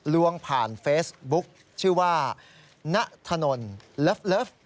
ลวงผ่านเฟซบุ๊กชื่อว่าณถนนเลิฟ